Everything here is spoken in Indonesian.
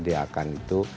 dia akan itu